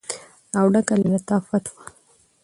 او ډکه له لطافت وه.